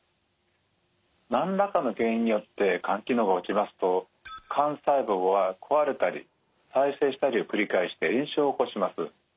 何らかの原因によって肝機能が落ちますと肝細胞は壊れたり再生したりを繰り返して炎症を起こします。